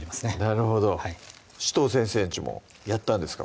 なるほど紫藤先生んちもやったんですか？